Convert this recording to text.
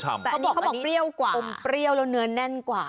เขาบอกเขาบอกเปรี้ยวกว่าอมเปรี้ยวแล้วเนื้อแน่นกว่า